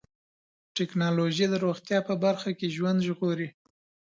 ټکنالوجي د روغتیا په برخه کې ژوند ژغوري.